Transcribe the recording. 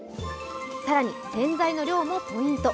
更に洗剤の量もポイント。